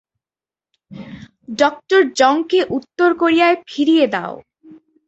Doctor Jong কে উত্তর কোরিয়ায় ফিরিয়ে দাও!